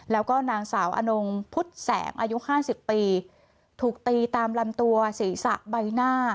แล้วก็นางสาวอนงพุทธแสงอายุห้าสิบปีถูกตีตามลำตัวศีรษะใบหน้า